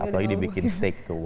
apalagi dibikin steak tuh